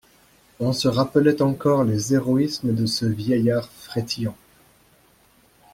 On se rappelait encore les héroïsmes de ce vieillard frétillant.